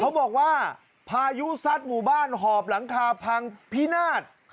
เขาบอกว่าพายุซัดหมู่บ้านหอบหลังคาพังพินาศ